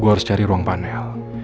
gue harus cari ruang panel